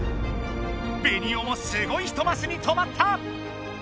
ベニオもスゴい人マスに止まった！